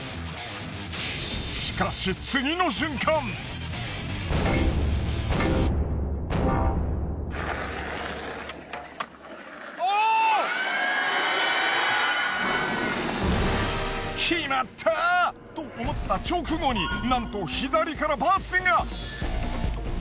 しかし「決まった！」と思った直後になんと左からバスが。